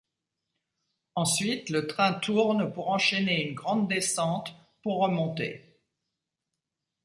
Ensuite le train tourne pour enchaîner une grande descente pour remonter.